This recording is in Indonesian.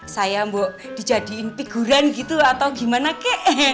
saya mau dijadiin figurant gitu atau gimana kek